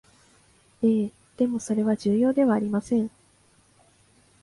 ええ、でもそれは重要ではありません